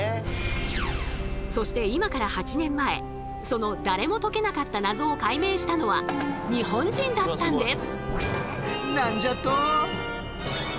そして今から８年前その誰も解けなかった謎を解明したのは日本人だったんです。